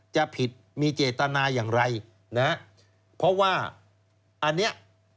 จะผิดมีเจตนาอย่างไรนะฮะเพราะว่าอันเนี้ย